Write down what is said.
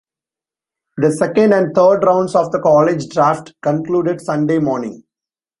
The second and third rounds of the college draft concluded Sunday morning.